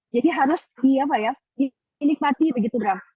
jadi harus di apa ya di nikmati begitu bram